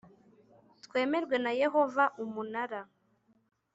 twemerwe na Yehova Umunara